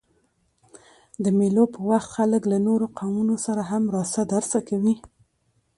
د مېلو پر وخت خلک له نورو قومونو سره هم راسه درسه کوي.